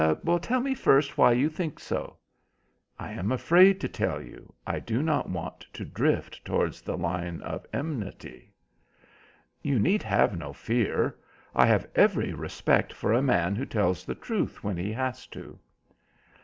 "Tell me first why you think so?" "I am afraid to tell you. I do not want to drift towards the line of enmity." "You need have no fear. I have every respect for a man who tells the truth when he has to."